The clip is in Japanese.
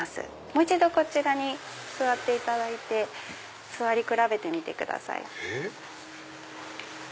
もう一度座っていただいて座り比べてみてください。